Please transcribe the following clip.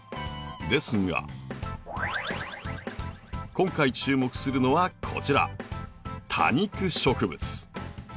ですが今回注目するのはこちら多肉植物。